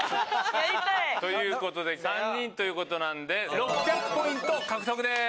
やりたい！ということで３人なんで６００ポイント獲得です。